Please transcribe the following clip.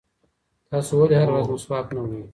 تاسې ولې هره ورځ مسواک نه وهئ؟